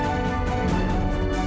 sembunyi di sini